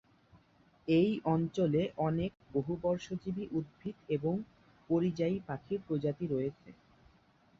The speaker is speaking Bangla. এই অঞ্চলে অনেক বহুবর্ষজীবী উদ্ভিদ এবং পরিযায়ী পাখির প্রজাতি রয়েছে।